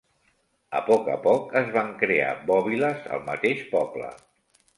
A poc a poc es van crear bòbiles al mateix poble.